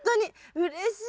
うれしい。